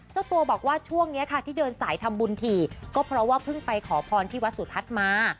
เจ้าตัวบอกว่าช่วงนี้ค่ะที่เดินสายทำบุญถี่ก็เพราะว่าเพิ่งไปขอพรที่วัดสุทัศน์มา